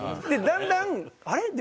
でだんだんあれ？